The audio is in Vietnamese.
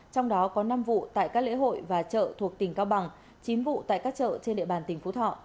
trong đó có năm vụ tại các lễ hội và chợ thuộc tỉnh cao bằng chín vụ tại các chợ trên địa bàn tỉnh phú thọ